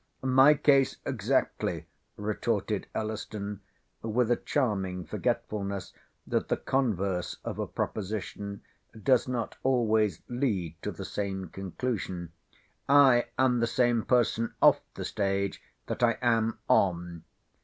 "My case exactly," retorted Elliston—with a charming forgetfulness, that the converse of a proposition does not always lead to the same conclusion—"I am the same person off the stage that I am on."